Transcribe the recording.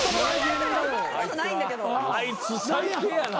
あいつ最低やな。